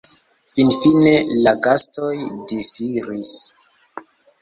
Finfine la gastoj disiris.